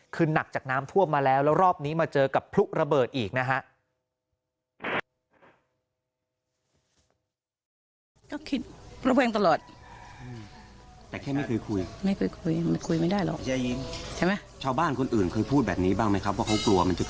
คือหนักจากน้ำท่วมมาแล้วแล้วรอบนี้มาเจอกับพลุระเบิดอีกนะฮะ